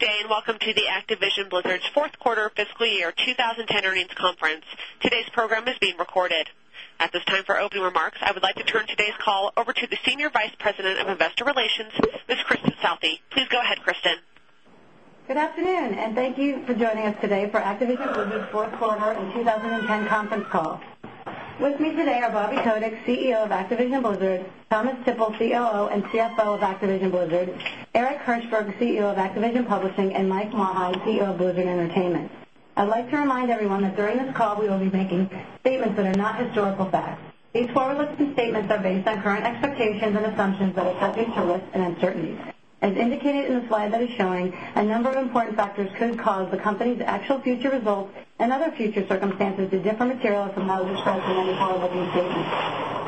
Good day and welcome to the Activision Blizzard's 4th fiscal year 2010 earnings conference. Today's program is being recorded. At this time for opening remarks, I would like to turn today's call over to the Senior Vice President of Investor Relations. Ms. Kristin Southeast. Please go ahead, Kristin. Good afternoon and thank you for joining us today for activation purposes. 4th quarter and 2010 conference call. With me today are Bobby Kodix, CEO of Activision Blizzard Thomas Tippel, COO and CFO of Active Blizzard, Eric Hirsberg, CEO of Activision Publishing And Mike Mahal, CEO of Blizzard Entertainment. I'd like to remind everyone that during this we will be making statements that are not historical facts. These forward looking statements are based on current expectations and assumptions that are subject to risks and uncertainties As indicated in the slide that is showing, a number of important factors could cause the company's actual future results and other future circumstances to differ materially from how we as many follow-up these statements.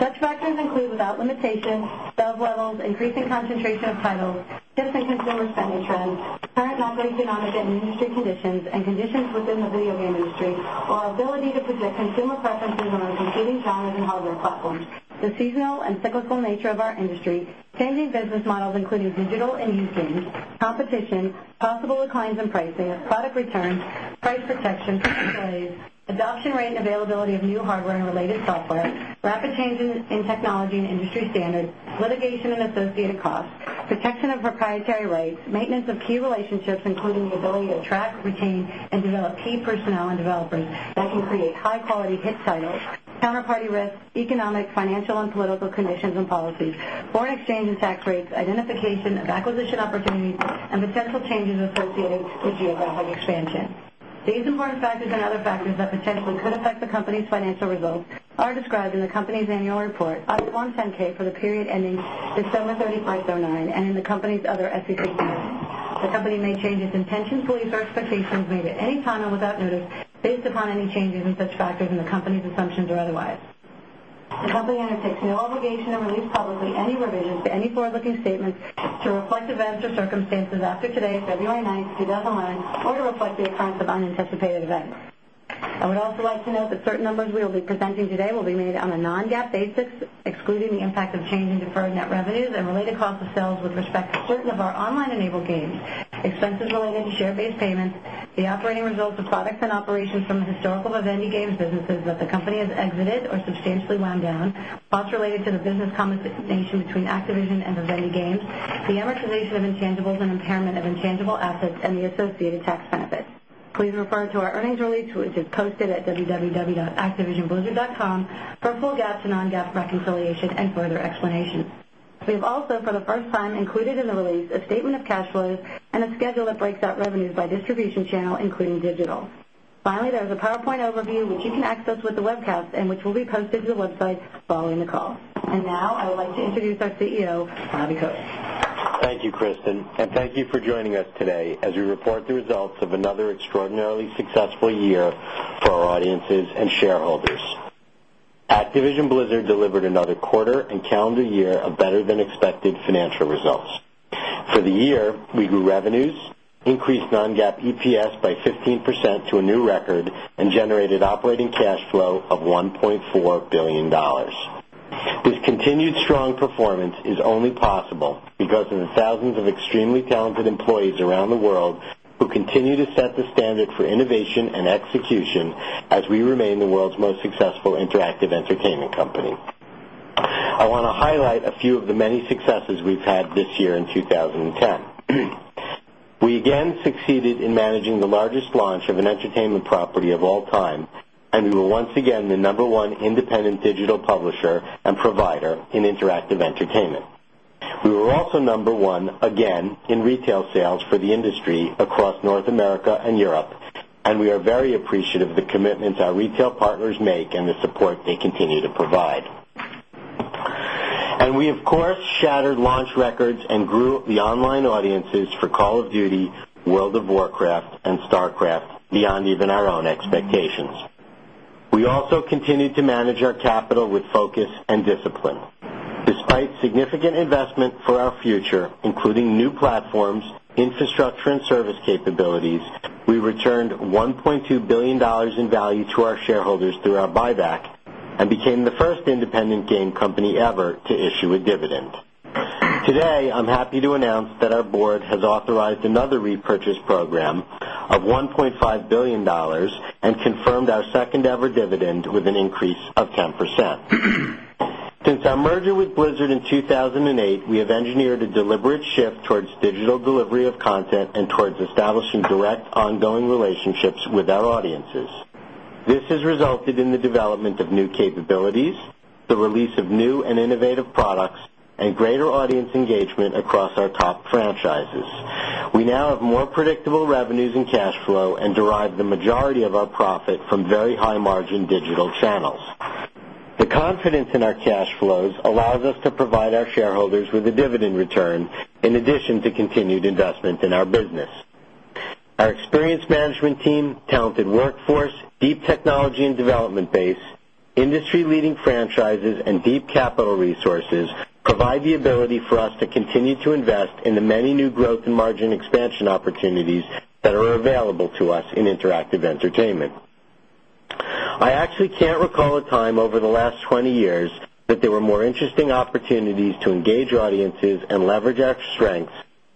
Such factors include, without limitation, bell wells, increasing concentration of titles, differences in lower spending trends, current operating economic and industry conditions and conditions within the video game industry, our ability to predict consumer preferences on our competing channels and other problems. The seasonal and cyclical nature of our industry, Sandy business models, including digital and Houston, competition, possible declines in pricing, product returns, price protection for displays, adoption rate and availability of new hardware and related software, rapid changes in technology and industry standards, litigation and associated loss, protection of proprietary rights, maintenance of key relationships, including the ability to attract, retain, and develop key personnel and developers that can free high quality hit titles, counterparty risks, economic, financial and political commissions and policies, foreign exchange and tax rates, identification of acquisition opportunities, potential changes associated with geographic expansion. These important factors and other factors that potentially could affect the company's financial results are described in the company's annual as of on FENK for the period ending December 30five-nine and in the company's other SEC filings. The company may change its intention, police translate at any time and without notice based upon any changes in such factors in the company's assumptions or otherwise. The company undertakes no obligation or release publicly any revisions to any forward looking statements to reflect events or circumstances after today, February 9, 2019, or to reflect the occurrence of unanticipated events. I would now like to note that certain numbers we will be presenting today will be made on a non GAAP basis, excluding the impact of change in deferred net revenues and related cost of sales with respect certain of our online enabled games, expenses related to share based payments, the operating results of products and operations from the historical Evendy Games businesses that the company has exited or unchangedly wound down, loss related to the business compensation between Activision and Vivendi Games, the amortization of intangibles and impairment of intangible assets and the associated tax Please refer to our earnings release, which is posted at www.activisionblizzard.com for full GAAP to non GAAP reconciliation and further explanation. We have also, for the as time included in the release a statement of cash flows and a schedule that breaks out revenues by distribution channel including digital. Finally, there is a power overview, which you can access with the webcast and which will be posted to the website following the call. And now, I would like to introduce our CEO, Navicoto. Thank you, Kristin. And thank you for joining us today as we report the results of another extraordinarily successful year for our audiences and shareholders. At division Blizzard delivered another quarter and calendar year of better than expected financial results. For the year, We grew revenues, increased non GAAP EPS by 15% to a new record and generated operating cash flow of $1,400,000,000. This continued strong performance is and execution as we remain the world's most successful interactive entertainment company. I want to highlight a few of the many successes we've had this year in 2010. We again succeeded in managing the largest launch of an entertainment property of all time, and we will once again, the number one independent digital publisher and provider in interactive entertainment. We were also number 1, again, in retail sales for the industry across North America and Europe. And we are very appreciative of the commitments our retail partners make and support they continue to provide. And we of course shattered launch records and grew the online audiences for Call of Duty will of Warcraft and StarCraft beyond even our own expectations. We also continued to manage our capital focus and discipline. Despite significant investment for our future, including new platforms, infrastructure and service cape abilities, and gain company ever to issue a dividend. Today, I'm happy to announce that our board has authorized another repurchase for Graham of $1,500,000,000 and confirmed our second ever dividend with an increase of 10%. Since our merger with Blizzard 2008, we have engineered a deliberate shift towards digital delivery of content and towards establishing direct ongoing the later audience engagement across our top franchises. We now have more predictable revenues and cash flow and derive the majority of our profit very high margin digital channels. In addition to continued investment in our business. Our experienced management team talented workforce, deep technology and development base, industry leading franchises and deep capital resources provide the ability for us to continue to invest in the many new growth and margin expansion opportunities that are available to to engage audiences and leverage our strengths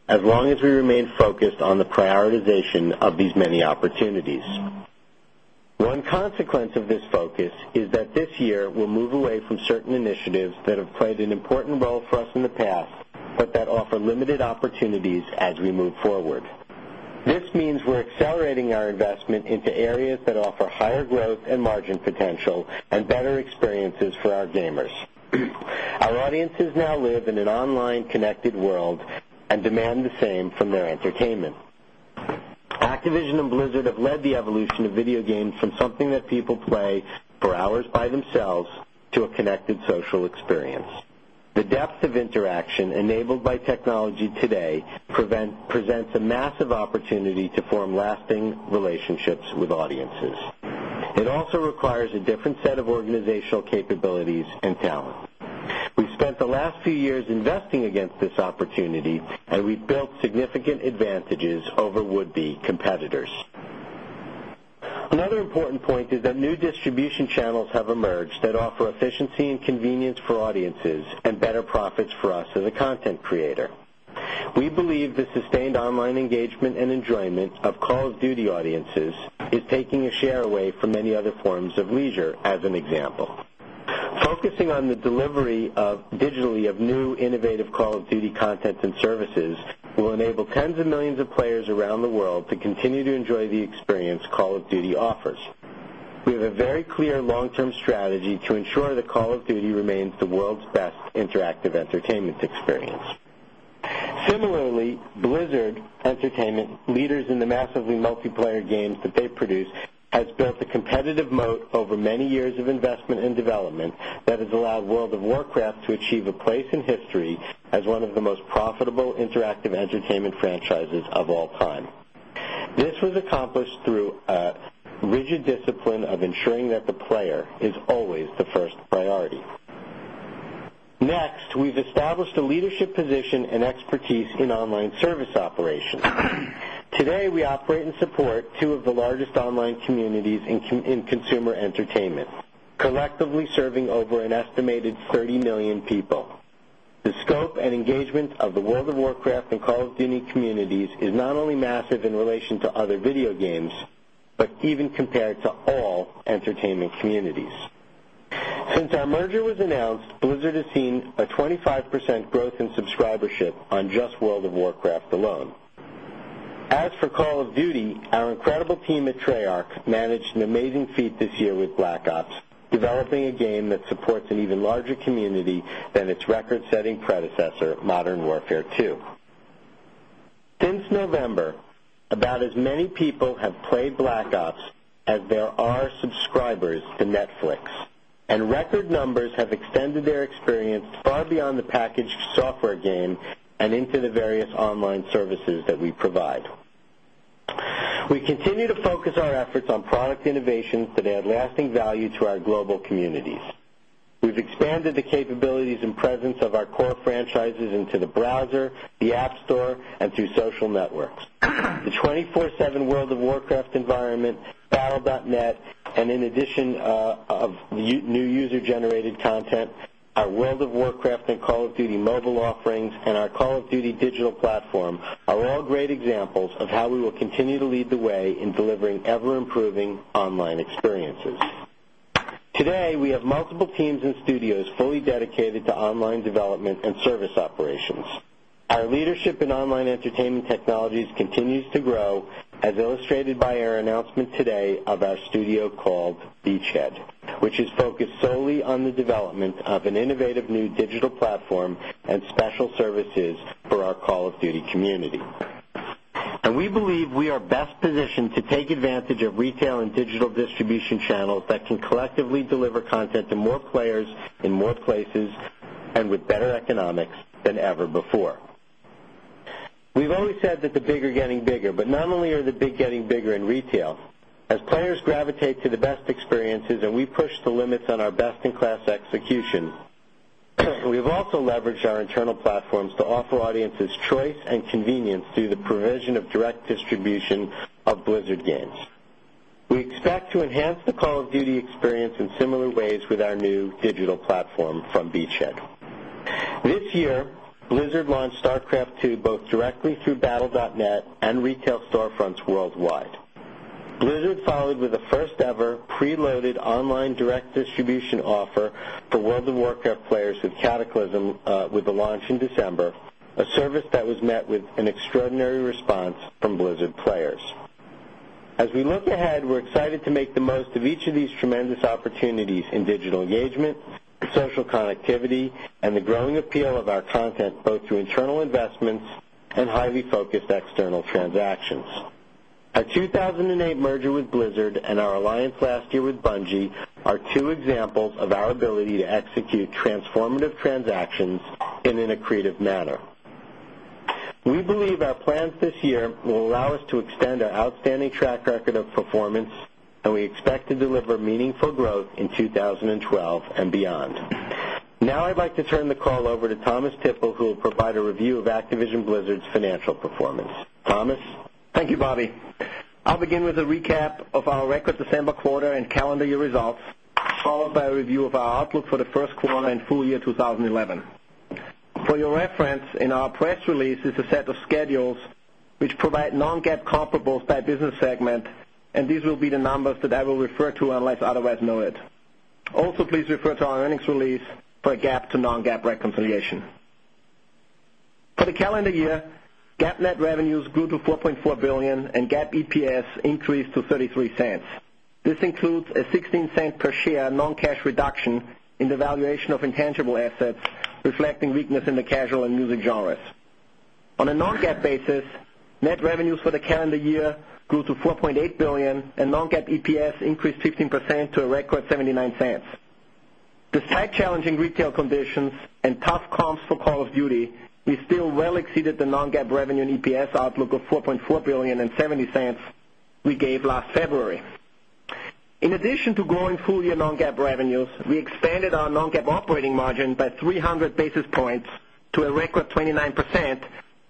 as long as we remain focused on the prioritization of these many opportunities. One consequence of this focus is that this year we'll move away from certain initiatives that have played an important role for us in the path, but that offer limited opportunities as we move forward. This means we're accelerating our investment into areas offer higher growth and margin potential and better experiences for our gamers. Our audiences now live in an online connected world and demand the same from their entertainment. Activision and Blizzard have led the evolution of video games from something that people play for hours by themselves, a connected social experience. The depth of interaction enabled by technology today presents a massive opportunity years investing against this opportunity and we've built significant advantages over would be competitors. Another important point is that new distribution channels have emerged that offer efficiency and convenience for audiences and better profits for us as a content creator. We believe the sustained online engagement and enjoyment of Call of Duty Audiences is taking a share away from many other forms of leisure as an example. Focusing on the delivery of, digitally, of new innovative call of duty contents and services will enable tens of 1,000,000 players around the world to continue to enjoy the experience Call of Duty offers. We have a very clear long term strategy to ensure the Call of Duty remains the world's best interactive entertainment experience. Similarly, Blizzard Entertainment Leaders in the massively multiplayer game that they produce has built a competitive moat over many years of investment and development that has allowed world of Warcraft achieve a place in history as through, rigid discipline of ensuring that the player is always the first priority. Next, we established a leadership position and expertise in online service operations. Today, we operate and support 2 of the largest online communities in consumer and retainment, collectively serving over an estimated 30,000,000 people. The scope and engagement of the World of Warcraft and Call any communities is not only massive these. Since our merger was announced, Blizzard has seen a 25% growth in subscribership on Just World of Work off the loan. As for Call of Duty, our incredible team at treyarch managed an amazing feat this year with Black Ops, developed thing a game that supports an even larger community than its record setting predecessor, modern warfare 2. Since November about as many people have played black ops as there are subscribers to Netflix. Record numbers We continue to of our core franchises into the browser, the App Store, and through social networks. The 20 fourseven World of Warcraft Environment, Battle dot NET And in addition, of new user generated content, our world of Warcraft and Call of Duty mobile offerings, and our Call of Duty Digital Platform are all great examples of how we will continue to lead the way in delivering ever improving online experiences. Today, we have multiple teams and studios fully dedicated to online development and service operations. Our leadership in online entertainment technologies continue to grow as illustrated by our announcement today of our studio called Beachhead, which is focused solely on development of an innovative new digital platform and special services for our Call of Duty community. And we believe we to more players in more places and with better economics than ever before. We've always said that the bigger getting bigger, but not only are the big getting bigger, in retail as players gravitate to the best experiences and we push the limits on our best in class execution. We've also leveraged our internal platform offer audience's trace and convenience through the provision of direct distribution of Blizzard Gains. We expect to enhance the call of experience in similar ways with through battle.net and retail storefronts worldwide. Blizzard followed with a first ever preloaded online direct distribution offer for world of workout players with cataclysm, with the launch in December, a service that was met an extraordinary response from Blizzard Players. And the growing appeal of our content both through internal investments and highly focused external transactions. Our 2008 merger with Blizzard and our alliance last year with Bungie are two examples of our ability to execute transformative and we expect to deliver meaningful growth who will provide a review of Activision Blizzard's financial performance. Thomas? Thank you, Bobby. I'll begin with a recap of our record and calendar year results followed by a review of our outlook for the first quarter full year 2011. For your reference in our press release, a set of schedules, which provide non GAAP comparables by business segment and these will be the numbers that I will refer to unless otherwise noted. Also please refer to our earnings release for a GAAP to non GAAP reconciliation. For the calendar year, GAAP net revenues grew to 4,400,000,000 and GAAP EPS increased to $0.33. Tangible assets reflecting weakness in the casual and music genres. On a non GAAP basis, net revenues for the calendar year grew to $4,800,000,000 and non GAAP EPS increased 15 percent to a record $0.79. The slight challenging retail condition and tough comps for Call of Duty, we still well exceeded the non GAAP revenue and EPS outlook of $4,400,000,000 $0.70 we gave last February. In addition to growing full year non GAAP revenues, we expanded our non GAAP operating margin by 300 basis points to a record 29%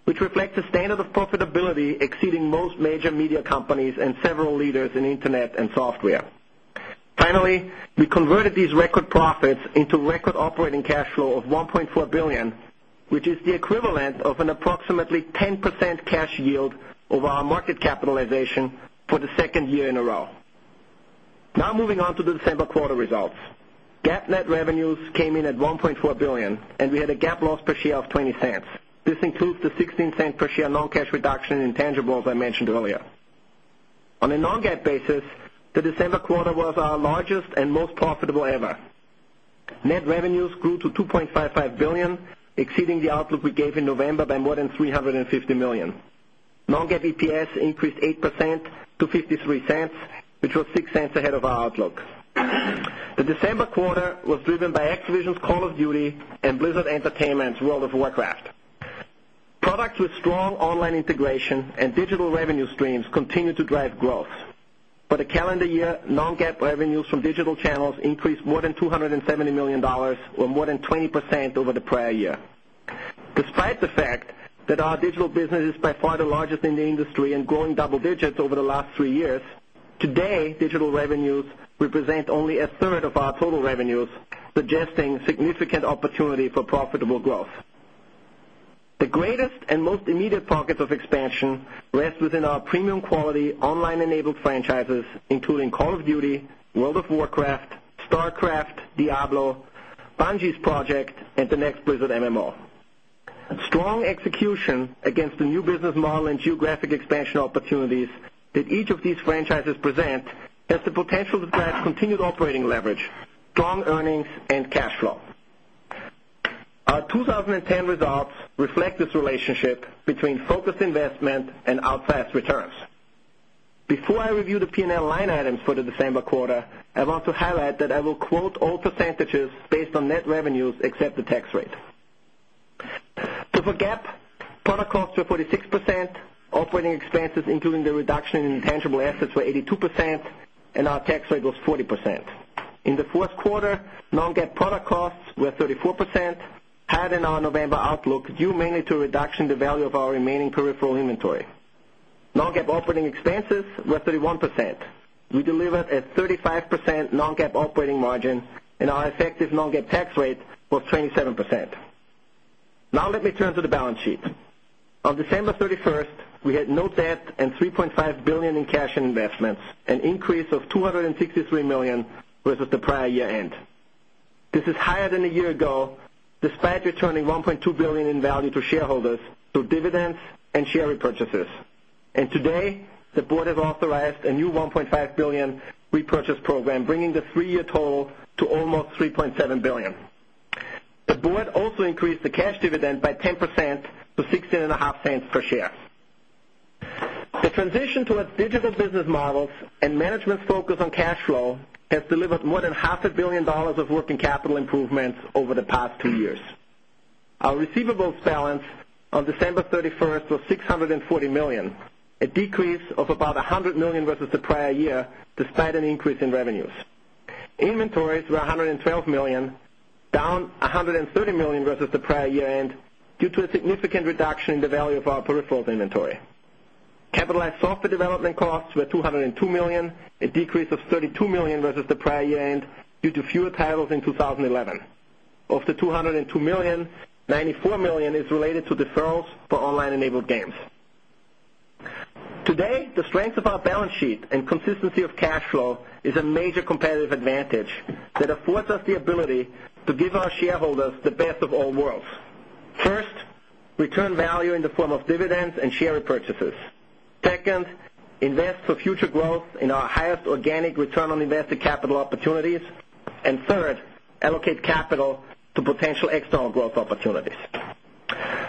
which were the standard of profitability exceeding most major media companies and several leaders in internet and software. Finally, We converted these record profits into record operating cash flow of $1,400,000,000, which is the equivalent of an approximate 10% cash yield over our market capitalization results. GAAP net revenues came in at $1,400,000,000 and we had a GAAP loss per share of $0.20. This includes the $0.16 per share non cash reduction intangibles I mentioned year. On a non GAAP basis, the December quarter was our largest and most profitable ever. Net revenues grew to 2.55 $1,000,000 exceeding the outlook we gave in November by more than $350,000,000. Non GAAP EPS increased 8% to $0.53, which was $0.06 ahead of our The December quarter was driven by Activision Call of Duty And Blizzard Entertainment World of Warcraft. Product was strong online integration and digital revenue streams increased more than $270,000,000 or more than 20% over the prior year. The businesses by only a third of our total revenues, suggesting significant opportunity for profitable growth. The greatest and most needed pockets of expansion, rests within our premium quality online enabled franchises, including Call of Duty, World of Warcraft, Starcraft Diablo, BANji's project and the next visit MMO. Opportunities that each of these franchises present as the potential to drive continued operating leverage, strong earnings and cash flow. Our 2010 results reflect this relationship between focused investment and outsized returns. Before I review the P and L line items for the December quarter, I want to highlight that I will quote all percentages based on net revenues except the tax percent operating expenses including the reduction in intangible assets were 82% and our tax rate was 40%. In the fourth quarter, non GAAP product costs were 34% had in our November outlook due mainly to reduction the value remaining peripheral inventory. Non GAAP operating expenses were 31%. We delivered a 35% non GAAP operating margin and our effective non GAAP tax rate was 27 percent. Now let me turn to the balance sheet. On December 31, we had no debt $3,500,000,000 in cash and investments, an increase of $263,000,000 versus the prior year end. This is higher than a year ago, expect returning $1,200,000,000 in value to shareholders through dividends and share repurchases. And today, the board has authorized a new $1,500,000,000 repurchase program, bringing the 3 year total to almost $3,700,000,000. The board also increased the cash dividend by 10% to share. The transition towards digital business models and management focus on cash flow has delivered more than $500,000,000 of working capital improvement over the past 2 years. Our receivables balance on December 31st was $640,000,000 decrease of about 100,000,000 versus the prior year despite an increase in revenues. Inventories were 112,000,000 down $130,000,000 versus the prior year end due to a significant reduction in the value of our peripherals inventory. Capitalized software development costs were $202,000,000, a decrease of $32,000,000 versus the prior year end due to fewer titles in 2011. Of the $296,000,000 is related to deferrals for online enabled games. Today, the strength of our balance sheet consistency of cash flow is a major competitive advantage that affords us the ability to give our shareholders the best of all worlds. First, return value in the form of dividends and share repurchases 2nd, invest for future growth in our highest organic return on invested capital opportunities and third, allocate capital to potential external growth opportunities.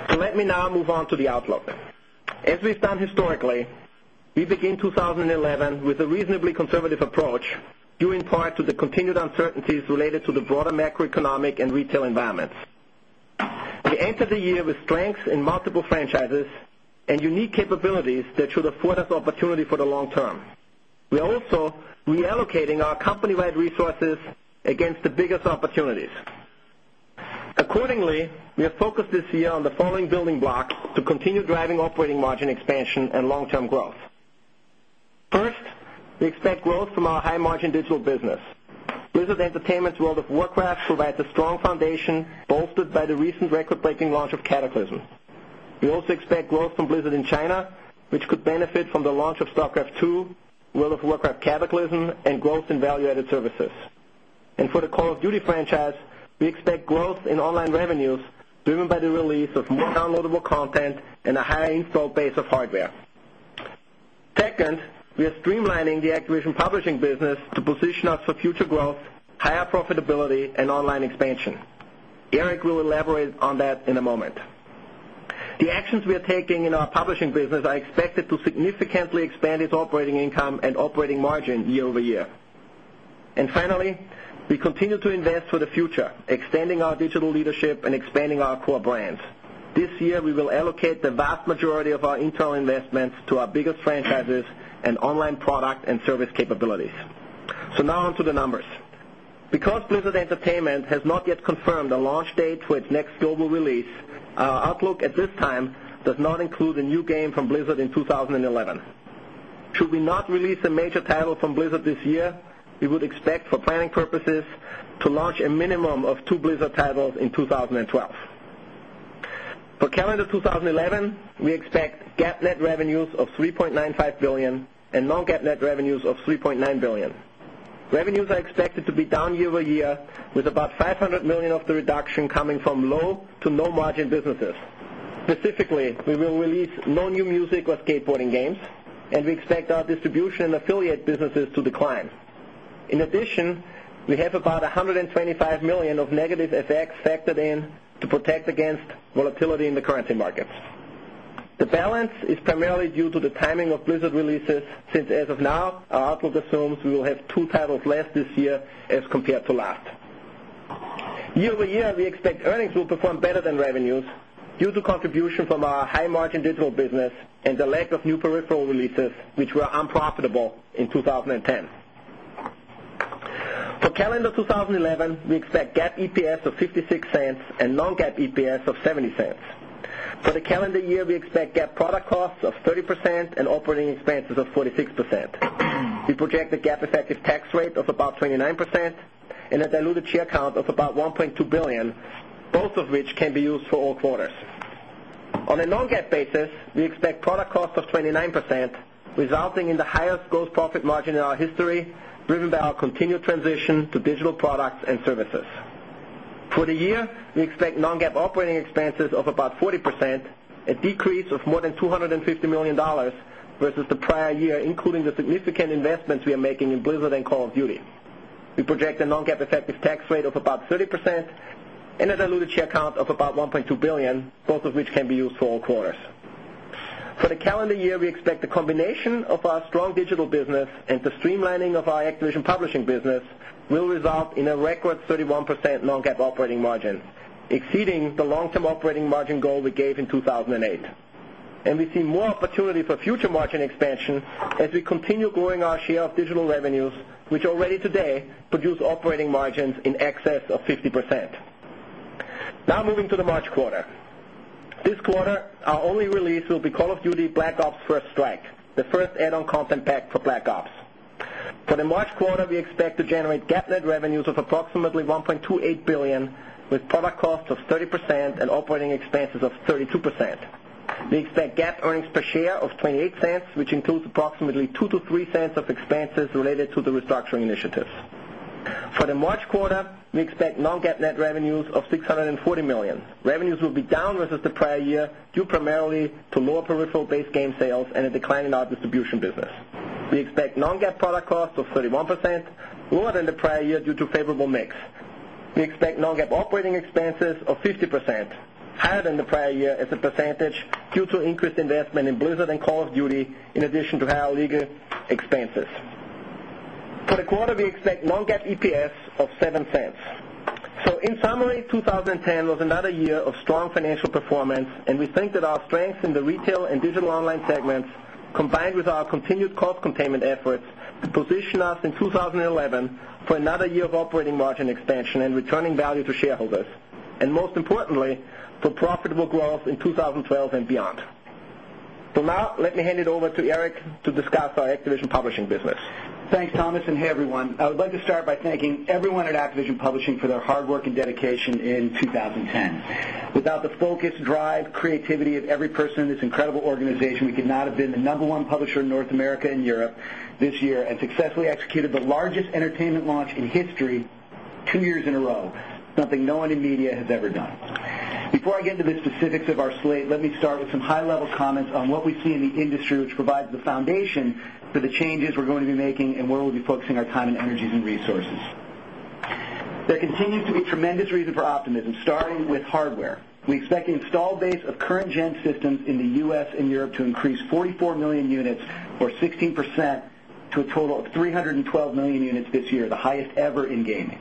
So let me now move on to the outlook. As we've done historically, we begin 2011 with a reasonably conservative approach due in part to the continued uncertainties related to the broader macroeconomic and retail environments. We entered the year with strengths in multiple franchises and unique capabilities that should afford us opportunity for the long term. We also allocating our company wide resources against the biggest opportunities. Accordingly, we are focused this year on the following building block to continue driving operating margin expansion and long term growth. First, expect growth from our high margin digital business. Business Entertainment World of Warcraft will add the strong foundation bolstered by the recent crater breaking launch of Cataclysm. We also expect growth from Blizzard in China, which could benefit from the launch of Starcraft 2, will have worked capitalism and growth in value added services. And for the Call of Duty franchise, we expect growth in online revenues driven by the of downloadable content and a high installed base of hardware. 2nd, we are streamlining the Activision Publishing business position us for future growth, higher profitability and online expansion. Eric will elaborate on that in a moment. The actions we are taking in our publishing business are expected to significantly expand its operating income and operating margin year over year. And finally, we continue to invest the future, extending our digital leadership and expanding our core brands. This year, we will allocate the vast majority of our internal investments to our biggest franchises and online product and launch date to its next global release, our outlook at this time does not include a new game from Blizzard in 2011. Should we not release a major title from this year, we would expect for planning purposes to launch a minimum of 2 blizzard titles in 2012. For calendar 20 expect GAAP net revenues of $3,950,000,000 and non GAAP net revenues of $3,900,000,000. Revenues are expected to be down year year with about $500,000,000 of the reduction coming from low to no margin businesses. Specifically, we will release no new music or skateboarding games. We expect our distribution affiliate businesses to decline. In addition, we have about $125,000,000 of negative ex factored in to protect against volatility in the currency markets. The balance is primarily due to the timing of blizzard releases since as of now are up to the we will have 2 titles less this year as compared to last. Year over year, we expect earnings will perform better than revenues due to contribution from high margin digital business and the lack of new peripheral releases, which were unprofitable in 2010. For calendar 2011, we expect GAAP EPS of $0.56 and non GAAP EPS of $0.70. For the calendar year, we expect GAAP product costs of 30 and operating expenses of 46%. Tier count of about 1,200,000,000, both of which can be used for all quarters. On a non GAAP basis, we product cost of 29 percent resulting in the highest gross profit margin in our history, driven by our continued transition to digital products and services. For the year, we expect non GAAP operating expenses of about 40%, a decrease of more than $250,000,000 versus the prior the significant investments we are making in Blizzard And Call of Duty. We project a non GAAP effective tax rate of about 30% and a diluted share count of about 1,200,000,000 for of which can be used will result in a record 31 percent non GAAP operating margin, exceeding the long term operating margin goal we gave in 1008. And we see more opportunity for future margin expansion as we continue growing our share of digital revenues, which already today produce operating margins in excess of 50%. Now moving to the March quarter. This quarter, our only release will of duty black ops first strike, the first add on content pack for black ops. For the March quarter, we expect to generate GAAP net revenues of approximately 1 $28,000,000,000 with product cost of 30% and operating expenses of 32%. We expect GAAP earnings per share of $0.28, which includes approximately $0.02 $40,000,000. Revenues will be down versus the prior year due primarily to lower peripheral based game sales and a decline in our distribution business. We expect non GAAP product costs 31% lower than the prior year due to favorable mix. We expect non GAAP operating expenses of 50% higher than the prior year as a percentage due to increased investment in Blizzard And Call of Duty in addition to higher legal expenses. For the quarter, we expect non GAAP EPS for $7. So in summary, 2010 was another year of strong financial performance, and we think that our strength in the REIT and digital online segments combined with our continued cost containment efforts to position us in 2011 for another year of operating margin expansion and returning value to share us and most importantly for profitable growth in 2012 and beyond. So now let me hand it over to Eric to discuss our Activision Publishing business. Thanks Thomas and hi everyone. I would like to start by thanking everyone at Activision Publishing for their hard work and dedication in 2010. Out the focus, drive, creativity of every person in this incredible organization, we could not have been the number one publisher in North America and Europe this year and success executed the largest entertainment launch in history 2 years in a row. Nothing no one in media has ever done. Before I get to the specifics of our slate, let me start with some level comments on what we see in the industry, which provides the foundation for the changes we're going to be making and where we'll be focusing our time and energies and resources. There continues to be is reason for optimism starting with hardware. We expect the installed base of current gen systems in the U. S. And Europe to increase forty million units or 16% to a total of 312,000,000 units this year, the highest ever in gaming.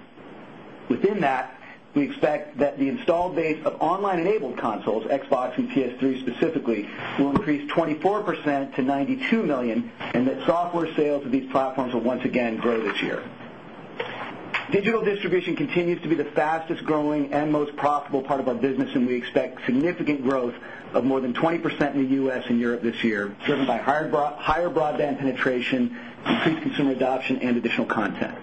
Within that, we expect that the installed base of online enabled consoles, Xbox, and PS3 specifically, will increase 24% to $92,000,000 and that software sales of these platforms will once again grow this year. Digital distribution continues to be the fastest growing and most profitable part business and we expect significant growth of more than 20% in the U. S. And Europe this year, driven by higher broadband penetration, increased consumer adoption and additional content.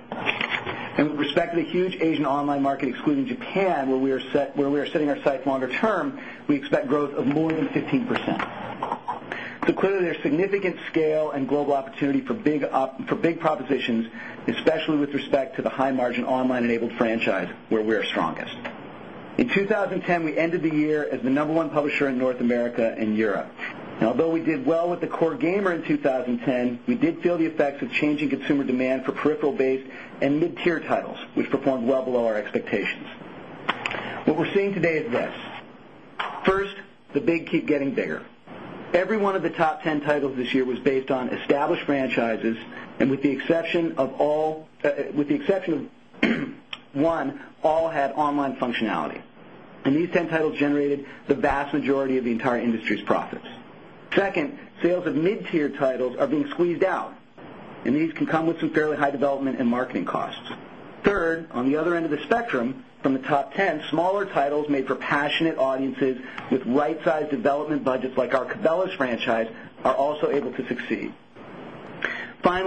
And with respect to the huge Asian online market, excluding Japan, where we are set, where we are setting our site longer term, we expect growth of more than 15%. So clearly there's significant scale and global opportunity for big, for big propositions, especially with respect to the high margin online and franchise where we are strongest. In 2010, we ended the year as the number one publisher in North America and Europe. Now, we did well with the core gamer in 2010, we did feel the effects of changing consumer demand for peripheral based and mid tier titles, which performed well below our expectations. What we're seeing today is this. 1st, the big keep getting bigger. Every one of the top 10 titles this year was based on a established franchises and with the exception of all with the exception of 1, all had online functionality. And these ten generated the vast majority of the entire industry's profits. 2nd, sales of mid tier titles are being squeezed out and these can come with some fairly high development and marketing costs. 3rd, on the other end of the spectrum, from the top 10, smaller titles made for passionate audiences with right size development budgets like our Cabela franchise, are also able to by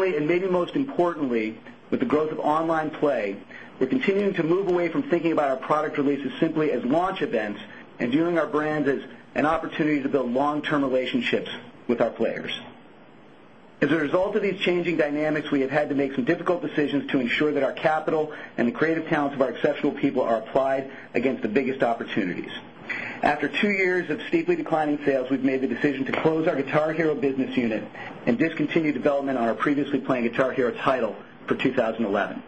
our product release is simply as launch events and doing our brands as an opportunity to build long term relationships with our players. As we result of these changing dynamics, we have had to make some difficult decisions to ensure that our capital and the creative talents of our opportunities. After 2 years of steeply declining sales, we've made the decision to close our Guitar Hero business unit and discontinued development on our previously planned Tahira's title for 2011.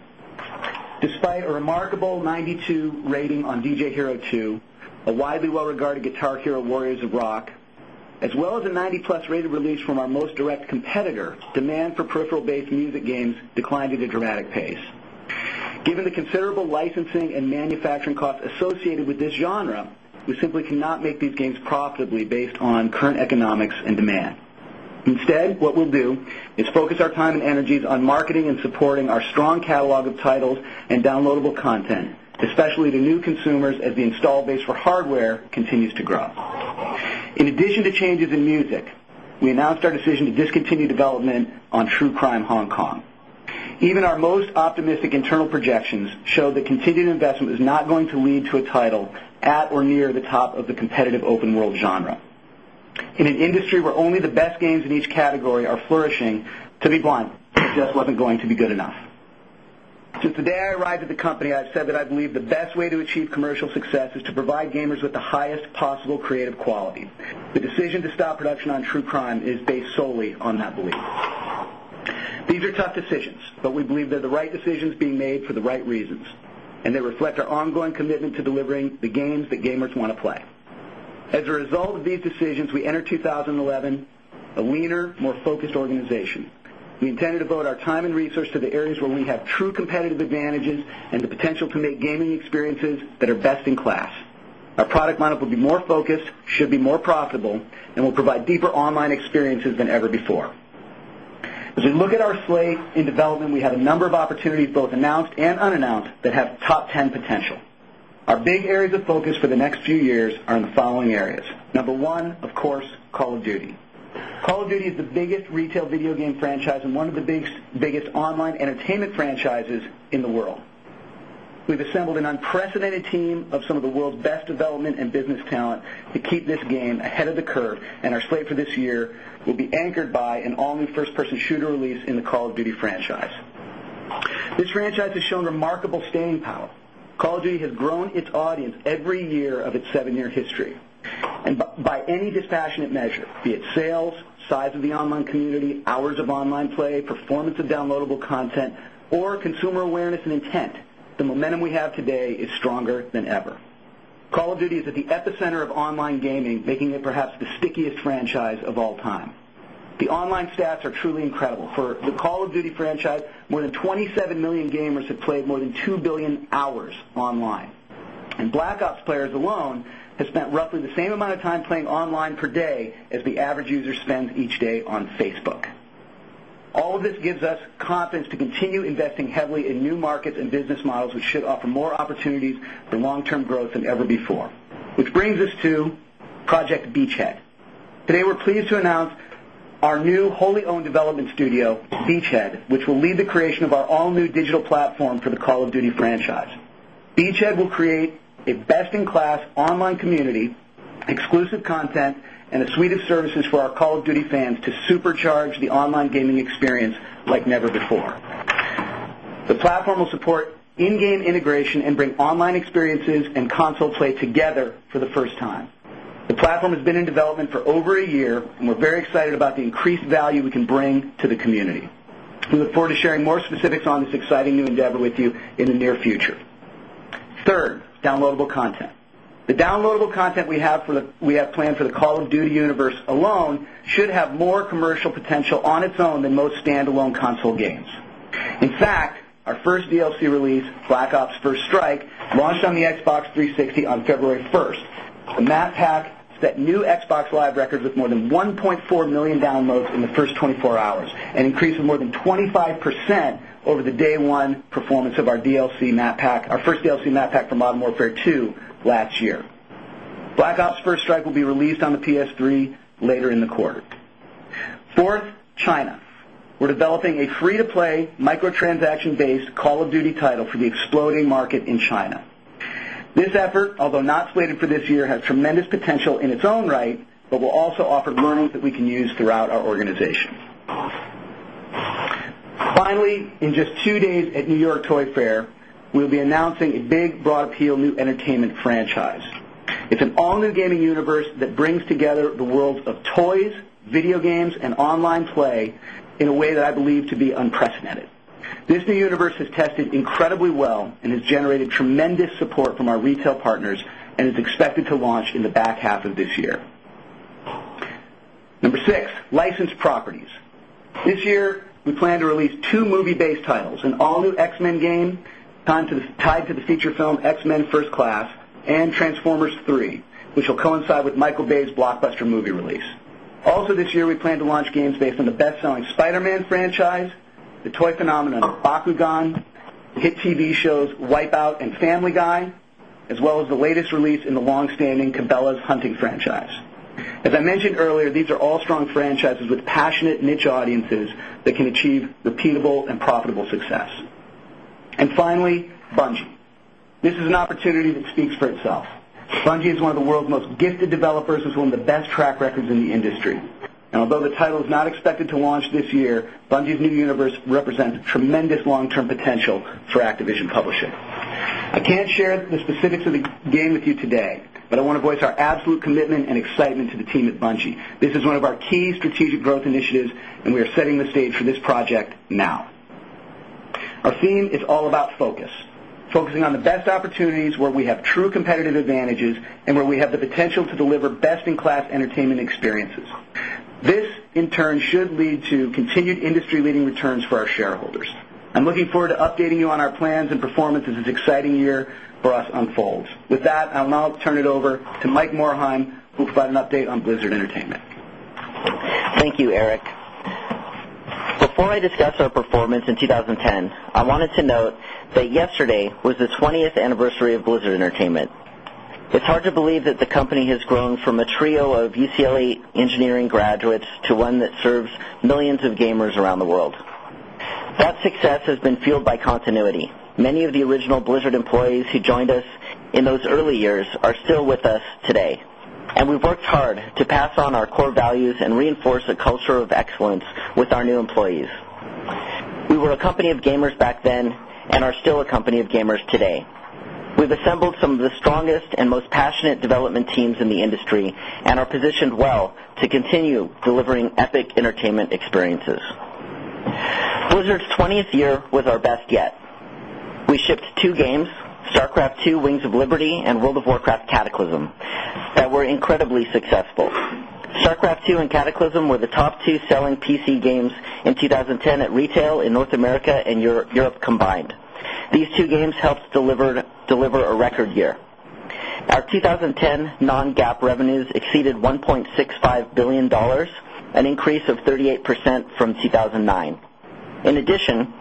Despite a remarkable 92 rating on DJ Hero 2, a widely well regarded Arc Hero Warriors of Rock, as well as a 90 plus rated release from our most direct competitor, demand for peripheral based music games declined at a dramatic pace. Given the considerable licensing and manufacturing costs associated with this genre, we simply cannot make these gains profitably based on current economics and demand. Instead, what we'll do is focus our time and energies on marketing and supporting our strong catalog of titles and downloadable content, especially the new consumers as the installed base for hardware continues to grow. In addition to changes in music, we announced our decision to discontinue development on true crime Hong long. Even our most optimistic internal projections show the continued investment is not going to lead to a title at or near the of the competitive open world genre. In an industry where only the best games in each category are flourishing to be blunt just going to be good. Quality. The decision to stop production on true crime is based solely on that belief. These are tough decisions, but we believe that the right decisions for the right reasons and they reflect our ongoing commitment to delivering the gains that gamers want to play. As a result of these decisions, we entered 2011, a leaner more focused organization. We intend to devote our time and research to the areas where we have true competitive advantages and the potential to make gaming experiences in are best in class. Our product line up will be more focused, should be more profitable and will provide deeper online experiences than ever 4. As we look at our slate in development, we have a number of opportunities both announced and unannounced that have top 10 potential. Our areas of focus for the next few years are in the following areas. Number 1, of course, Call of Duty. Call of Duty is the biggest retail video game franchise and one of the big biggest online entertainment franchises in the world. We've assembled an unprecedented team of some of the world's best development and business talent in keep this game ahead of remarkable staying power. Call of Duty has grown its audience every year of its 7 year history. And by any dispassionate measure, be it sales, size of the online community, hours of online play, performance of downloadable content, or consumer awareness and intent. The momentum we have today is stronger than ever. Call of Duty is at the epicenter of online gaming making it perhaps the stickiest franchise of all time. The online stats are truly incredible for call of Duty franchise, more than 27,000,000 gamers have played more than 2,000,000,000 hours online. And Black Ops players alone has spent roughly the same amount of time playing online per markets and business models which should offer more opportunities than long term growth than ever before, which brings us to Project Beach Head. Today, we're pleased to month, our new wholly owned development studio, Beachhead, which will lead the creation of our all new digital platform for the Call of Duty franchise. Beachhead will create a best in class online community, exclusive content and a suite of services for our Call of Duty fans to supercharge the online gaming experience like Never more. The platform will support in game integration and bring online experiences and console play together for the 1st time. The platform has been in development for over a year and we're very excited about the increased value we can bring to the community. We look forward to sharing more specific this exciting new endeavor with you in the near future. 3rd, downloadable content. The downloadable content we have for the we have for the Call of Duty Universe alone should have more commercial potential on its own than most standalone console games. In fact, our first VLC release, Black Ops 1st strike, launched on the Xbox 360 on February 1st. The Matt pack set new X live record with more than 1,400,000 downloads in the first twenty 4 hours, an increase of more than 25% over the day one performance of our DLC map pack, our first MAPAC from Automotive Air 2 last year. Black ops first strike will be released on the PS3 later in the quarter. 4th, China, we're developing a free to play micro transaction based Call of Duty title for the exploding market in China. This effort, although not slated for this year, has tremendous potential in its own right, but will also offer learnings that we can use throughout our organization. Finally, in just 2 days at New York Toy Fair, we'll be announcing a big broad appeal new entertainment franchise. It's an all new gaming universe that brings together the world of toys, video games and online play in a way that I believe to be unprecedented. This new verse has tested incredibly well and has generated tremendous support from our retail partners and is expected to launch in the back half of this year. Number 6, licensed properties. This year, we plan to release 2 movie based titles, an all new X Men game tied to the feature film X Men 1st class and Transformers 3, which will coincide with Michael Bay's blockbuster movie release. Also this year, we plan to launch games based on the best selling Spider Man franchise, Toy phenomenon, Bakugan, the hit TV shows wipeout and family guy, as well as the latest release in the longstanding Cabela Hunting franchise. As I mentioned earlier, these are all strong franchises with passionate niche audiences that can achieve repeatable and profitable success. And finally, Bungie. Versus one of the best track records in the industry. And although the title is not expected to launch this year, Bundy's new universe represents tremendous long term potential through Activision Publishing. I can't share the specifics of the game with you today, but I want to voice our absolute commitment and excitement to the team at Bungie. This is one of our key strategic growth initiatives and we are setting the stage for this project now. Our theme is all about focus. Focusing on the best opportunities where we have true competitive advantages and where we have the potential to deliver best in class entertainment experiences. This in turn should lead to continued industry leading returns for our shareholders. I'm looking forward to updating you on our plans and performance. This is exciting year for us unfolds. With that, I'll now turn it over to Mike Moreheim who'll provide an update on Blizzard Entertainment. Thank you, Eric. Before I discuss our performance in 2010, I wanted to note that yesterday was the 20th anniversary of Blizzard It's hard to believe that the company has grown from a trio of UCLA Engineering graduates to one that serves millions of gamers That success has been fueled by continuity. Many of the original Blizzard employees who joined us in those early years are still with us today. And we worked hard to pass on our core values and reinforce a culture of excellence with our new employees. We were a company of gamers back then and are still a company of gamers today. We've assembled some of the strongest and most passionate development teams in the industry and are positioned well to continue delivering Epic Entertainment experiences. Blizzard's 20th year was our best yet. We shipped 2 games, StarCraft 2 Wings of Liberty And World of Warcraft Cataclysm that were incredibly successful. Starcraft 2 and were the top 2 selling PC games in 2010 at retail in North America and Europe combined. These two games helped deliver a record year. Our 2010 non GAAP revenues exceeded $1,650,000,000, an increase of 38 percent from 2009. In addition,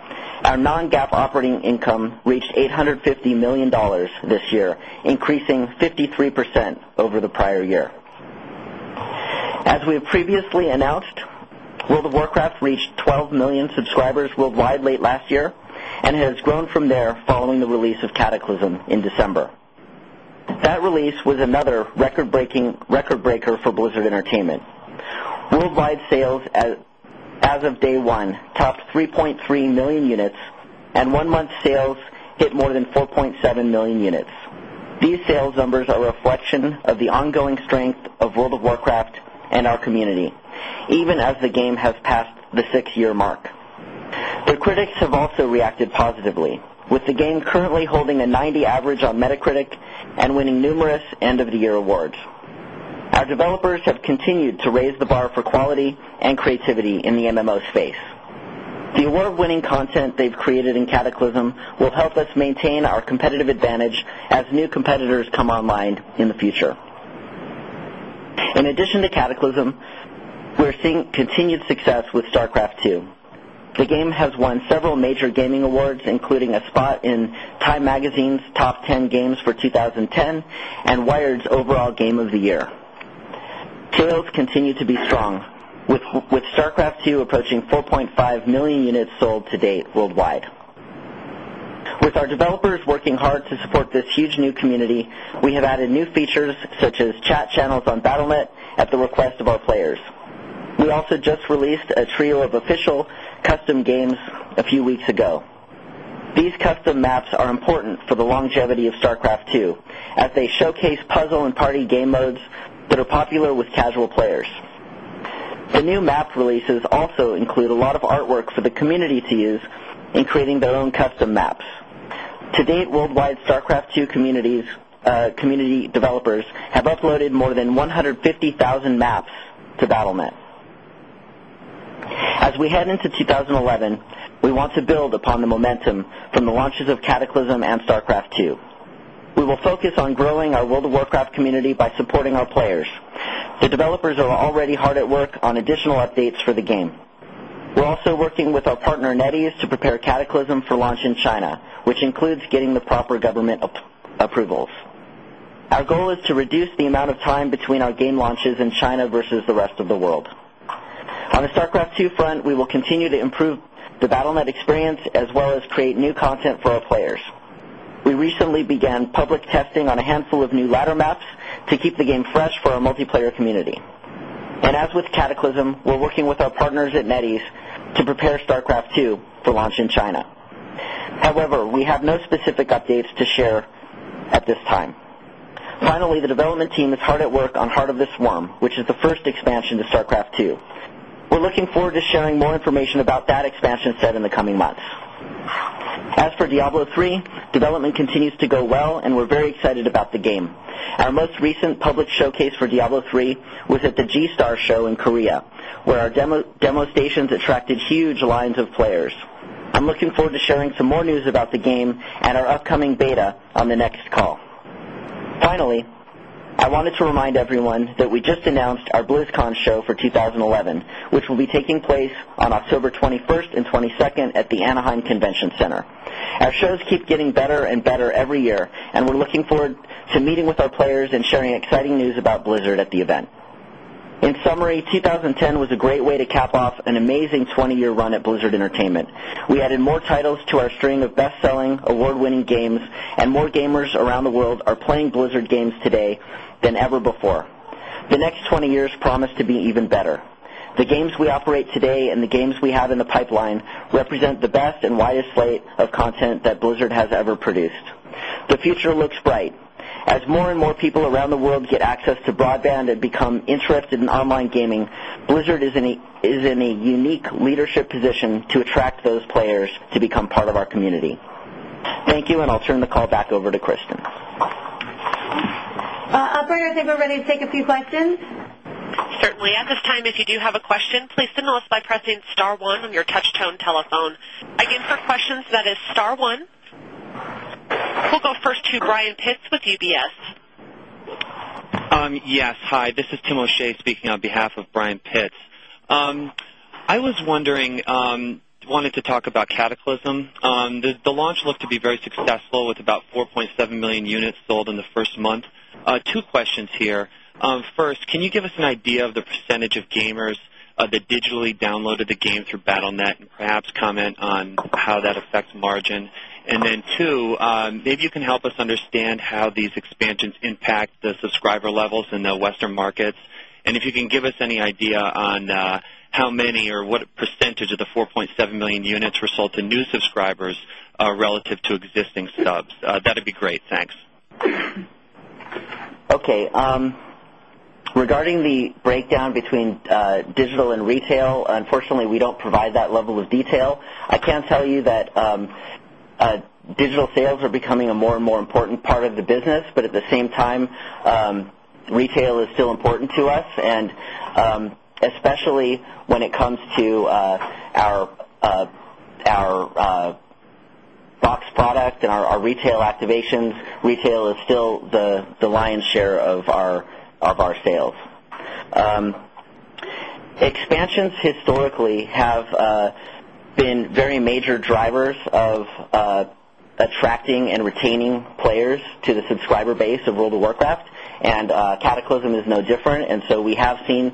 our non GAAP operating income reached $850,000,000 this year, increasing 53% over the prior year. As we have previously announced, will the Warcraft reach 12,000,000 subscribers worldwide late last year and has grown from there following the release of cataclysm in December. That release was another record breaking record breaker Blizzard Entertainment. Worldwide sales as of day 1 topped 3,300,000 units and 1 month sales hit more than 4,700,000 units. These sales numbers are a reflection of the ongoing strength of World of Warcraft and our community with the game currently holding a 90 average on Metacritic and winning numerous end of the year awards. Our developers have continued to raise the bar for quality and creativity in the MMO space. The award winning content they've created in Cataclysm will help us maintain our competitive advantage as new competitors come online in the future. In addition to cataclysm, we are seeing continued success with StarCraft 2. The game has won several major gaming awards, including a spot in Thai Magazine's top 10 games for 2010 and wired's overall game of the year. Tails continue to be strong. With starcraft 2 approaching 4,500,000 units sold today, worldwide. With our developers working hard to support this huge new community, we have added new features such as chat channels on Battlenet, at the request of our players. These custom maps are important for the longevity of StarCraft 2 as they showcase puzzle and party game modes that are popular with casual players. The new maps releases also include a lot of artworks for the community to use in creating their own custom maps. To date worldwide Starcraft 2 communities, community developers have uploaded more than 150,000 maps to Battlelement. As we head into 2011, we want to build upon the momentum from the launches of Cataclysm and StarCraft do. We will focus on growing our World of Warcraft community by supporting our players. The developers are already hard at work on additional updates for the game. We're also working with our partner NetEase to prepare cataclysm for launch in China, which includes getting the proper government approval. Our goal is to reduce the amount of time the Battle Net Experience, as well as create new content for our players. We recently began public testing on a handful of new ladder maps to keep the game fresh for And as with Cataclysm, we're working with our partners at NetEase to prepare StarCraft 2 for launch in China. However, we have no specific updates to share at this time. Finally, the development team is hard at work on heart of this worm, which is the first expansion to Star Craft 2. We're looking forward to sharing more information about that expansion set in the coming months. As for Diablo 3, development continues to go well and we're very excited about the game. Our most recent public showcase for Diablo 3 was at the G Star Show in Korea, where our demo stations attracted huge lines of players. I am looking forward to sharing some more news about the game and our upcoming beta on the next call. Finally, I wanted to remind everyone that we just announced Blizzcon show for 2011, which will be taking place on October 21 22nd at the Anaheim Convention Center. Our shows keep getting better and better every year we're looking forward to meeting with our players and sharing exciting news about Blizzard at the event. In summary, 2010 was a great way to cap off an amazing 20 year run at Blizzard payment. We added more titles to our string of best selling, award winning games and more gamers around the world are playing blizzard games today, than ever before. The next 20 years promise to be even better. The best and widest slate of content that Blizzard has ever produced. The future looks bright. As more and more people around the world get access to broadband become interested in online gaming, Blizzard is in a unique leadership position to attract those players to become part of our community. Thank you. And I'll turn the call back over to Kristin. Operator, I think we're ready to take a few We'll go first to Brian with UBS. Yes, hi. This is Tim O'Shea speaking on behalf of Brian Pitts. I was wondering, wanted to talk about cataclysm. The launch looked to be very successful with about 4,700,000 units sold in the first month. Two questions here. First, can you give us an idea of the percentage of gamers that digitally downloaded the game through on that and perhaps comment on how that affects margin? And then 2, maybe you can help us understand how these expansions impact subscriber levels in the Western markets? And if you can give us any idea on how many or what percentage of the 4,700,000 units to new subscribers relative to existing subs. That would be great. Thanks. Okay. Regarding the breakdown between, digital and retail, unfortunately, we don't provide that level of detail. I can't tell you that, digital sales are becoming a more and more important part of the business, but at the same time, retail is still important to us. And, especially when it comes to, our, box product and our retail activations retail is still the lion's share of our, of our sales. Expansions historically have, been very major drivers of, attracting and retaining players to the subscriber base of role to work left. And, cataclysm is no different. And so we have seen,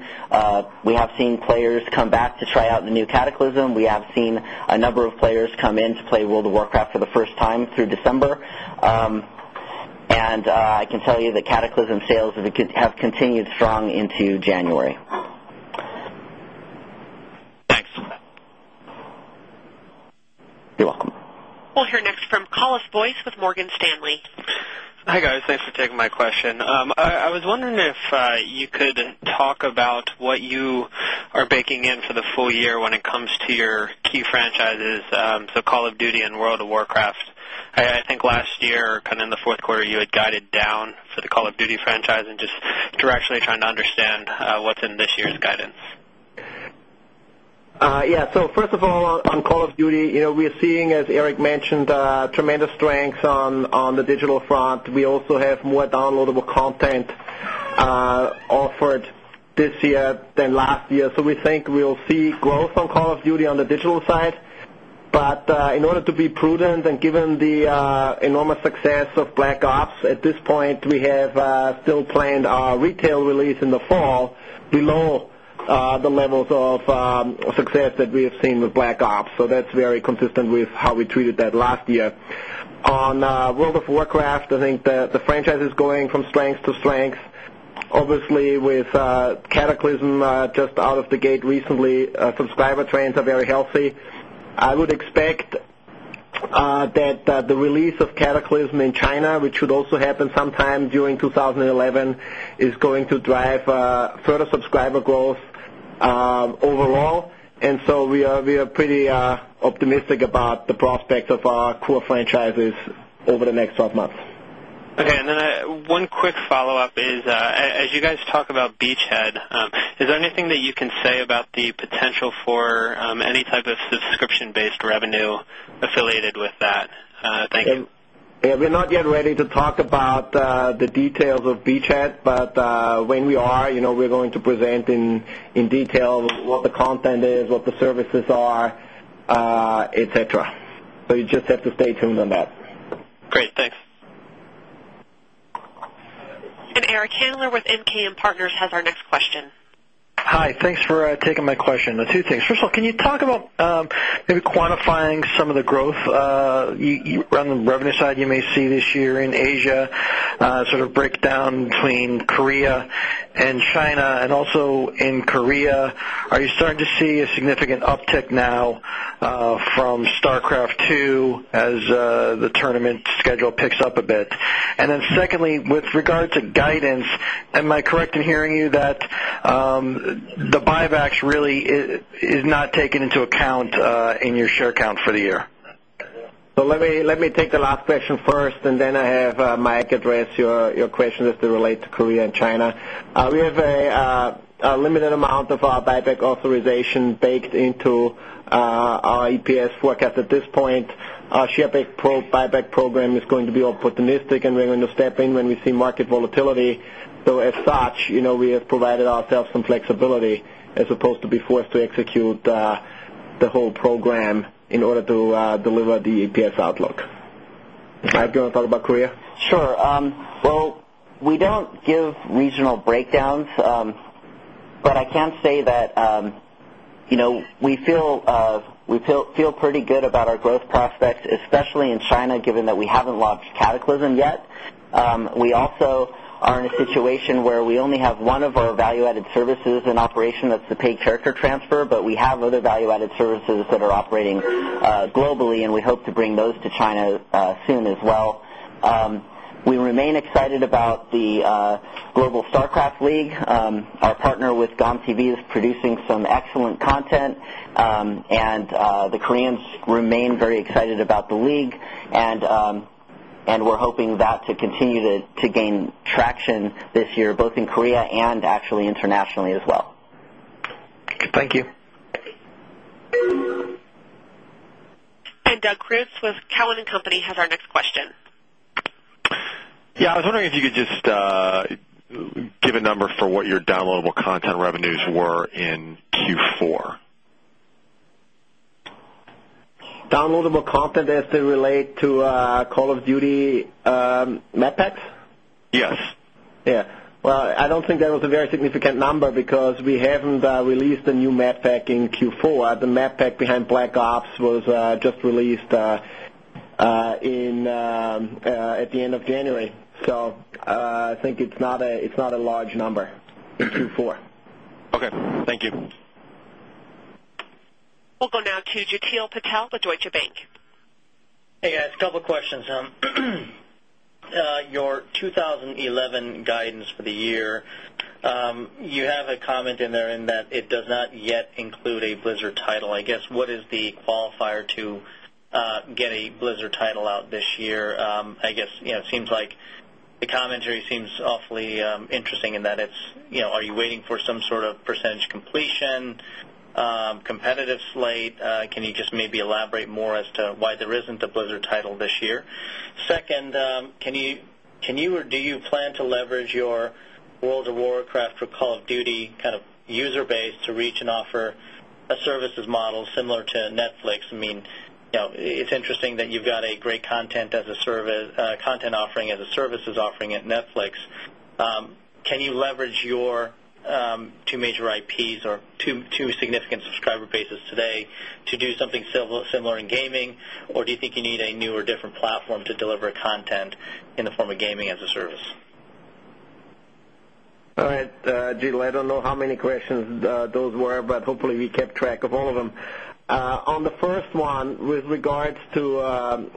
we have seen players come back to try out the new cataclysm. We have seen a number of players come in to play World of Warcraft for the first time through December. And, I can tell you that Cataclysm sales have continued strong into Jan memory. We'll turn from Carlos Boyse with Morgan Stanley. Hi guys. Thanks for taking my question. I was wondering if you could talk about what you are baking in for the full I think last year kind of in fourth quarter you had guided down for the Call of Duty franchise and just directionally trying to understand what's in this year's guidance? Yes. So first of all, on Call of Duty, we are seeing, as Eric mentioned, strengths on the digital front. We also have more downloadable content offered this year than last so we think we'll see growth on Call of Duty on the digital side. But in order to be prudent and given the normal success of Black Ops. At this point, we have still planned our retail release in the fall below the levels of that we have seen with Black Ops. So that's very consistent with how we treated that last year. On WorldView Warcraft, I think the franchise is going from slanks to slanks. Obviously, with a cataclysm just out of the gate recently, a subscriber train very healthy. I would expect that the release of cataclysm in China, which should also happen sometime during 2011 is going to drive further subscriber growth overall. And so we are pretty optimistic about the prospects of our core franchises over the next 12 months. Okay. And then one quick follow-up is, as you guys talk about beachhead, is there anything that you can say about the potential for any type of subscription based revenue affiliated with that? We're not yet ready to talk about the details of beachhead, but when we are, we're going to present in in detail, what the content is, what the services are, etcetera. So you just have to stay tuned on that. And Eric Handler with MKM Partners has our next question. The 2 things. First of all, can you talk about maybe quantifying some of the growth around the revenue side you may see this year in Asia? Sort of breakdown between Korea and China? And also in Korea, are you starting to see a significant uptick now from Starcraft 2 as the tournament schedule picks up a bit. And then secondly, with regard to guidance, Am I correct in hearing you that the buybacks really is not taken into account in your share count for the year? So, let me let me take the last question first and then I have Mike address your question as to relate to Korea and China. We have a, let me amount of our buyback authorization baked into our EPS forecast at this point. Our share buyback program is going to be optimistic and we're going to step in when we see market volatility. So as such, we have provided ourselves some flexibility as opposed to be forced to execute the whole program in order to, deliver the EPS outlook. Am I going to talk about Korea? Sure. Well, we don't give regional breakdowns, but I can't say that, you know, we feel of, we feel pretty good about our growth prospects, especially in China, given that we haven't launched cataclysm yet. We also are in a situation where we only have 1 of our value added services in operation that's the paid character transfer, but we have other value added service that are operating globally, and we hope to bring those to China soon as well. We remain excited about the, Global Starcraft League. Our partner with GOMTV is producing some excellent content. And, the Koreans remain very excited about the league and, and we're hoping that to continue to gain traction this year, both in Korea and actually in Nationally as well. Thank you. Our next question. Yeah, I was wondering if you could just give a number for what your downloadable content were in Q4? Downloadable content as they relate to call of duty Madpack? Yes. Well, I don't think that was a very significant number because we haven't released a new Medpack in Q4 the met pack behind Black Ops was just released in, at the end of January. So, think it's not a large number for. Okay. Thank you. We'll go now Jateel Patel with Deutsche Bank. Hey, guys. Couple of questions. Your 2011 guidance for the year. You have a comment in there in that it does not yet include a blizzard title. I guess, what is the qualifier to, get a blizzard title out this year. I guess, you know, it seems like the commentary seems awfully, interesting in that it's, you know, are you waiting some sort of percentage completion, competitive slate, can you just maybe elaborate more as to why there isn't title this year. 2nd, can you, can you, or do you plan to leverage your World of Warcraft for of duty kind of user base to reach and offer a services model similar to Netflix. I mean, you know, it's interesting that you've got a content as a service, content offering as a services offering at Netflix. Can you leverage your, 2 major IPs or 22 significant subscriber basis today to do something similar in gaming, or do you think you need a new or different platform to deliver content in the form of aiming as a service. All right. Jil, I don't know how many questions those were, but hopefully kept track of all of them. On the first one, with regards to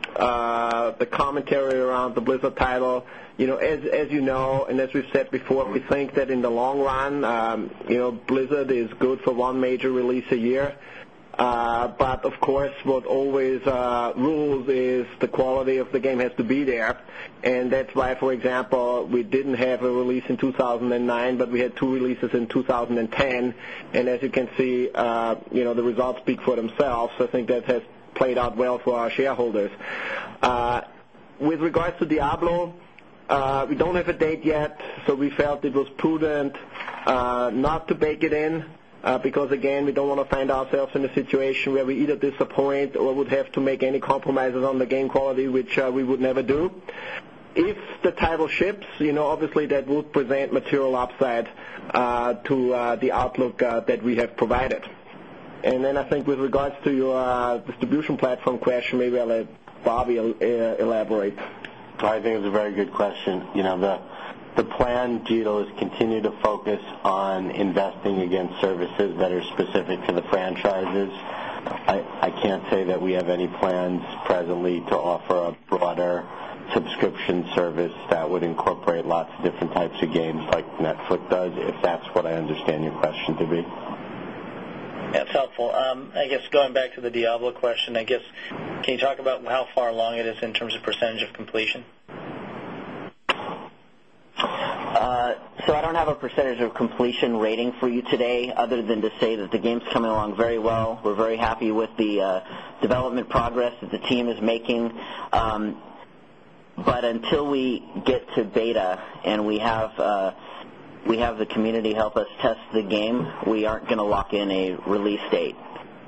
the commentary around the blizzard title, you as you know, and as we've said before, we think that in the long run, Blizzard is good for one major release a year. But of course, what is, rules is the quality of the game has to be there. And that's why for example, we didn't have a release in 2009, but we had 2 releases in 20 And as you can see, you know, the results speak for themselves. I think that has played out well for our shareholders. With regards to Diablo, We don't have a date yet. So, we felt it was prudent, not to bake it in, because again, we don't want to find ourselves in a situation where we either point or would have to make any compromises on the game quality, which we would never do. If the title ships, obviously that would present the upside, to the outlook that we have provided. And then I think with regards to your distribution platform, maybe I'll let Bobby elaborate. I think it was a very good question. Thing against services that are specific to the franchises. I can't say that we have any plans presently offer a broader subscription service that would incorporate lots of different types of games like Netflix does. If that's I understand your question to be. That's helpful. I guess going back to the Diablo question, I guess, can you talk about how far along it is in terms of range of completion? So I don't have a percentage of completion rating for you today, other than to say that the game is coming along very well. We're very happy with the development progress that the team is making. But until we get to beta and we have, we have the community help us test the game. We aren't going to lock in a release date.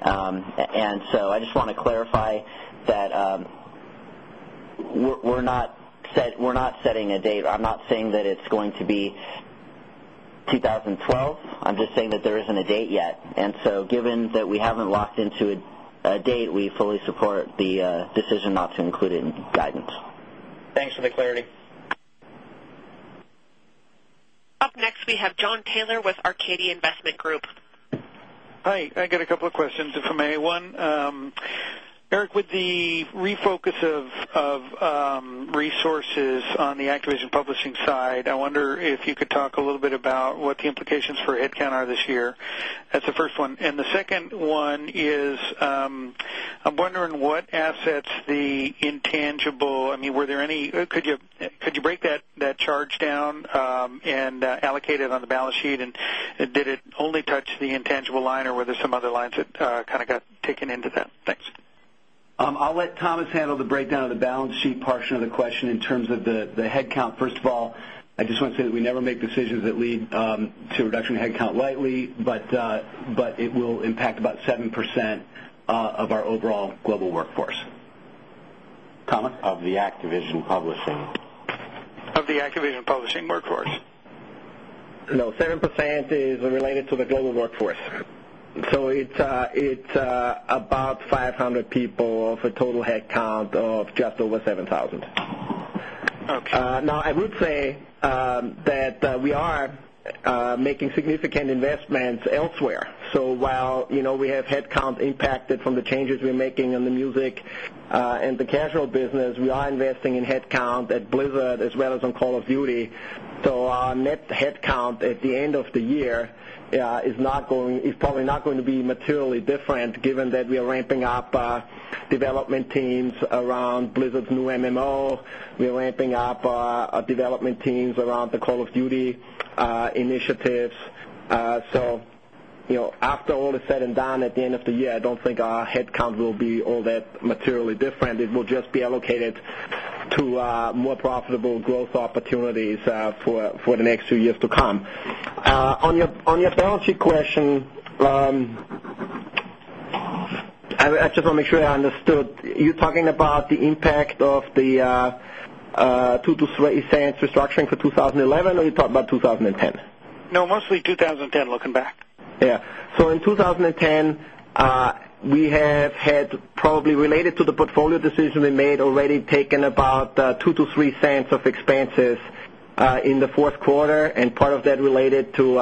And so I just want to clarify that, we're, we're not set, we're not setting a date. I'm not saying that it's going to be 2012. I'm just saying that there isn't a date yet. And so given that we haven't locked into a date, we fully support the decision not to in guidance. Thanks for the clarity. Up next we have John Taylor with Katie Investment Group. Hi. I got a couple of questions if I may. 1, Eric, with the refocus of, resources on the Activision Publishing side. I wonder if you could talk a little bit about what the implications for headcount are this year. That's the first one. And the second one is, I'm wondering what assets the intangible. I mean, were there any, could you could you break that charge down, and allocated on the balance sheet. And did it only touch the intangible line or whether some lines that kind of got taken into that? Thanks. I'll let Thomas handle the breakdown of the balance sheet portion of the question in terms of the headcount. First of all, I just want we never make decisions that lead to reduction headcount lightly, but it will impact about 7% of our overall global workforce. Of the Activision Publishing. Of the Activision Publishing workforce? No, 7% is related to global workforce. So, it's about 500 people of a total head count of just over $7000. Okay. Now, I would say, that we are making significant investment events elsewhere. So while we have headcount impacted from the changes we're making in the music and the casual business, we are investing headcount at Blizzard as well as on Call of Duty. So, our net headcount at the end of the year is not going to be materially different that we are ramping up development teams around Blizzard's new MMO. We are ramping up development teams around call of duty, initiatives. So after all is said and done at the end of the year, I don't think headcount will be all that materially different. It will just be allocated to a more profitable growth opportunities for the next few years to come. On your balance sheet question, I just want to make sure I understood you're talking about the impact of the $0.02 to $0.03 restructuring for 2011 or you talked about 2010? No, mostly 2010, look Yeah. So in 2010, we have had probably related to the portfolio decision we made already taken about $0.02 to $0.03 of expenses in the fourth quarter and part of that related to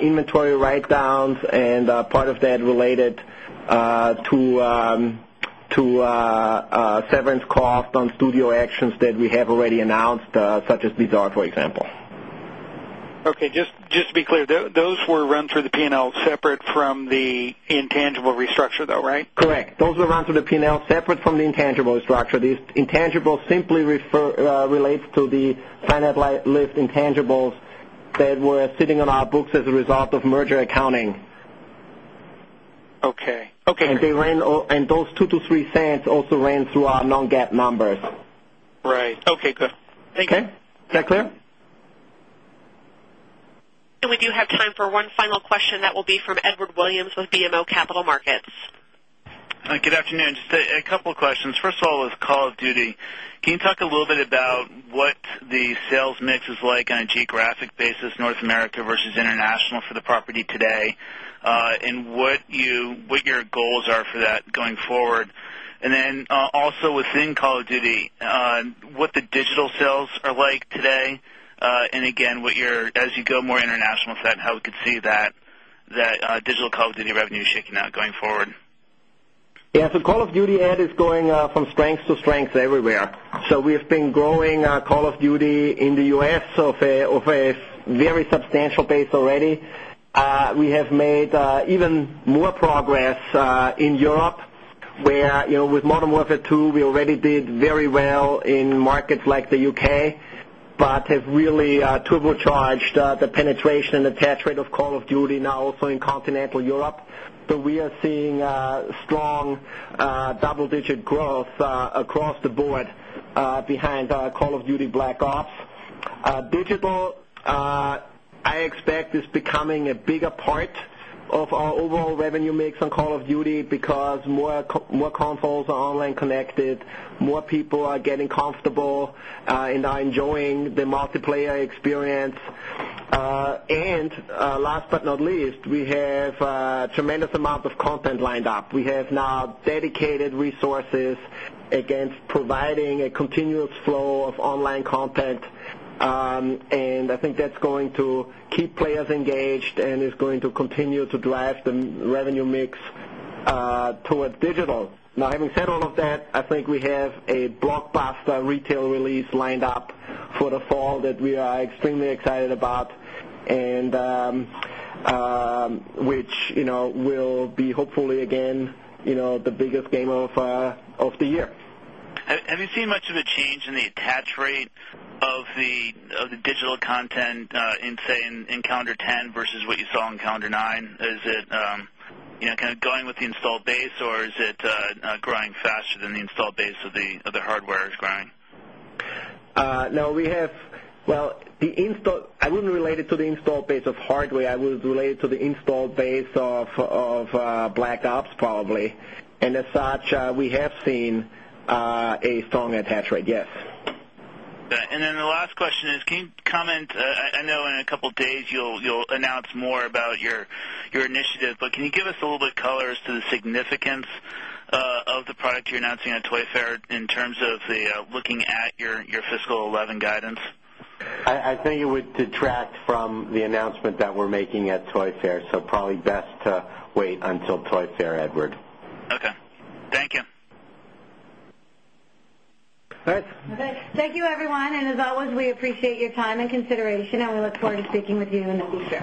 inventory write downs and part of that related to severance cost on studio actions that we have already announced, such as Okay. Just to be clear, those were run through the P and L separate from the intangible restructure though, right? Correct. Those were run through the P and L separate from the structure. These intangibles simply relates to the finite lift intangibles that were at sitting on our books as a result of merger accounting. And they ran and those $0.02 to $0.03 also ran through our non GAAP numbers. Right. Okay. Good. Thank you. Edward Williams with BMO Capital Markets. Good afternoon. Just a couple of questions. First of all, with Call of Duty, can you talk a little bit about what the sales mix is like on a geographic basis, North America versus international for the property today? And what you what your goals are for that going forward? And then also within Call of Duty, what the digital sales are like today? And again, what you're as you go more international set, how we could see that digital codes and your revenue shaking out going forward? Yes. So Call of Duty Add is going from strengths to strengths everywhere. So we have been growing call of in the U. S. Of a very substantial base already. We have made even more progress in Europe where with modern warfare 2, we already did very well in markets like the UK, but have really turbo charged the penetration and attach rate of Call of Duty now also in Continental Europe, but we are seeing strong double digit growth across the board behind our Call of Duty Black Ops. Coming a bigger part of our overall revenue mix on Call of Duty because more, more controls are online connected, more people are getting comfortable and are enjoying the multiplayer experience. And last but not least, we have a tremendous amount of content lined up. We have now dedicated resources against providing a continuous flow of online content. And I think that's going to keep players engaged and is going to continue to drive the revenue mix towards digital. Now having said all of that, I think we have a blockbuster retail release lined up for the fall that we are extremely excited about and, which will be hopefully again the biggest game of the year. Have you seen much of a change in the attach rate of the digital content in say in calendar 10 versus what you saw in calendar 9? Is it kind of going with the installed base or is it growing faster than the base of the hardware is growing? No, we have well, the install I wouldn't relate it to the install base of hardware. I will related to the installed base of black ops probably. And as such, we have seen a strong attach rate, yes. And then the last question is can you comment I know in a couple of days you'll announce more about your initiative, but can you give us a little bit to the significance of the product you're announcing at Toy Fair in terms of the looking at your fiscal eleven guidance? I think it would detract from the announcement that we're making at Toy Fair, so probably best to wait until Troy Fair Edward. Okay. Thank you. As we appreciate your time and consideration and we look forward to speaking with you in the future.